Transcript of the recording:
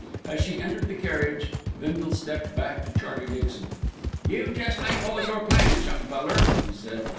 As she entered the carriage Bindle stepped back to Charlie Dixon. "You jest make all your plans, young feller," he said.